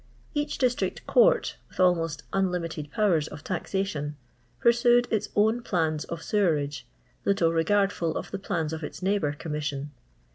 Bach district court — with almost un* liinited powers of taxation — pursaed its own plans of sewerage, little regardful of the plans of its neighbour Commiasion.